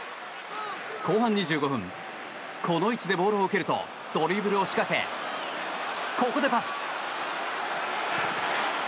後半２５分この位置でボールを受けるとドリブルを仕掛けここでパス。